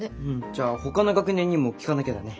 じゃあほかの学年にも聞かなきゃだね。